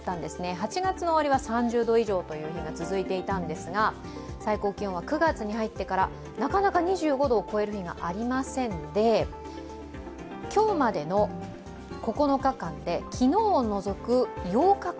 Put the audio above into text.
８月の終わりは３０度以上という日が続いていたんですが最高気温は９月になってから２５度を超える日がなかなかありませんので、今日までの、９日間で昨日を除く８日間。